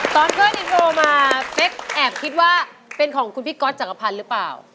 ตอนเพิ่มอินโทรมาเฟคแอบคิดว่าเป็นของคุณพี่ก๊อตจังกภัณฑ์หรือเปล่า